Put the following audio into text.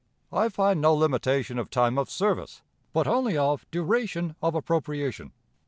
I find no limitation of time of service, but only of duration of appropriation.